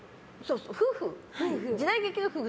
夫婦。